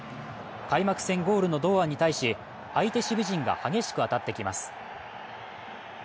開幕戦ゴールの堂安に対し、相手守備陣が激しく当たってきます。